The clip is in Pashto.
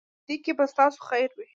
په دې کې به ستاسو خیر وي.